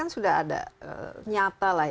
sudah ada nyata lah